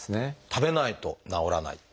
食べないと治らない。